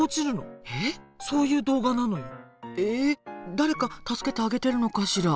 誰か助けてあげてるのかしら？